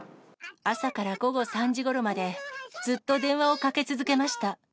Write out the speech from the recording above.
朝から午後３時ごろまで、ずっと電話をかけ続けました。